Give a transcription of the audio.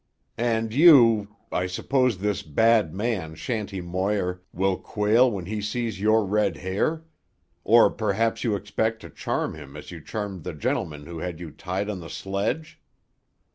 "And you—I suppose this bad man, Shanty Moir, will quail when he sees your red hair? Or perhaps you expect to charm him as you charmed the gentleman who had you tied on the sledge?"